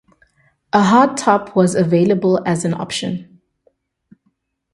A hardtop was available as an option.